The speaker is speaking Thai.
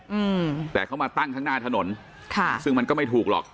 อืมแต่เขามาตั้งข้างหน้าถนนค่ะซึ่งมันก็ไม่ถูกหรอก